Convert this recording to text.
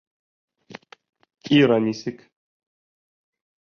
Ира нисек?